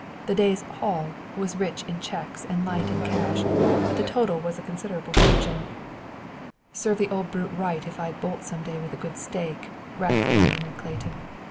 The day's "haul" was rich in checks and light in cash, but the total was a considerable fortune. "Serve the old brute right if I'd bolt some day with a good stake," wrathfully murmured Clayton.